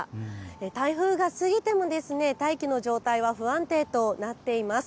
台風が過ぎても大気の状態は不安定となっています。